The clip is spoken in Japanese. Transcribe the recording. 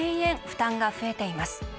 負担が増えています。